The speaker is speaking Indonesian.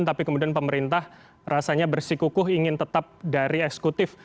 tapi kemudian pemerintah rasanya bersikukuh ingin tetap dari eksekutif